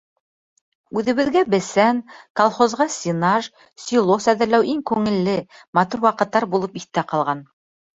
Үҙебеҙгә бесән, колхозға сенаж, силос әҙерләү иң күңелле, матур ваҡыттар булып иҫтә ҡалған.